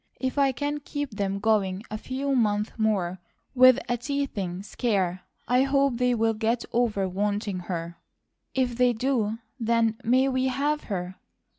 If I can keep them going a few months more with a teething scare, I hope they will get over wanting her." "If they do, then may we have her?"